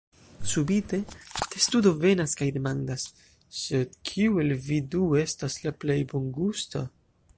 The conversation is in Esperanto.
Subite, testudo venas kaj demandas: "Sed kiu el vi du estas la plej bongusta?"